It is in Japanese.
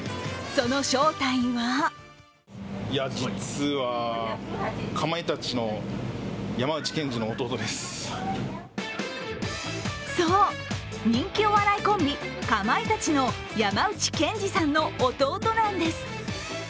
その正体はそう、人気お笑いコンビ、かまいたちの山内健司さんの弟なんです。